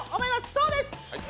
そうです！